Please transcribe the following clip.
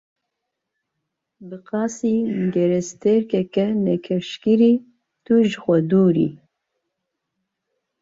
Bi qasî gerestêrkeke nekeşifkirî, tu ji xwe dûr î.